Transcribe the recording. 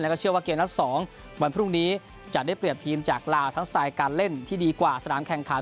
แล้วก็เชื่อว่าเกมนัด๒วันพรุ่งนี้จะได้เปรียบทีมจากลาวทั้งสไตล์การเล่นที่ดีกว่าสนามแข่งขัน